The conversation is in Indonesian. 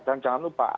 dan jangan lupa